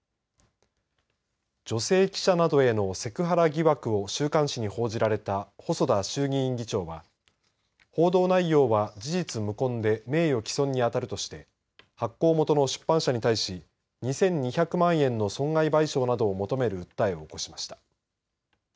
女性記者などへのセクハラ疑惑を週刊誌に報じられた細田衆議院議長は報道内容は事実無根で名誉毀損に当たるとして発行元の出版社に対し２２００万円の損害賠償などを求める訴えを起こしました。